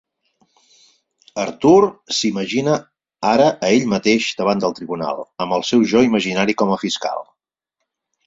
Artur s'imagina ara a ell mateix davant del tribunal, amb el seu jo imaginari com a fiscal.